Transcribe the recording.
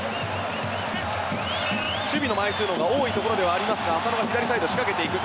守備の枚数のほうが多いところではありますが浅野、仕掛けていく。